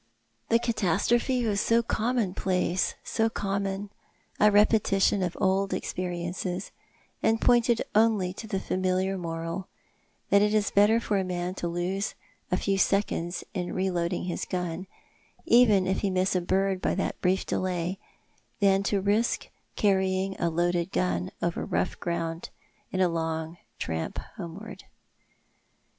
The catastrophe was so commonplace, so common, a repetition of old experiences, and jDointed only to the familiar moral that it is better for a man to lose a few seconds in reloading his gun, even if he miss a bird by that brief delay, than to risk carrying a loaded gun over rough ground in a long tramp homeward.